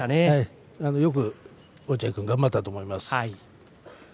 よく落合君、頑張ったと思います。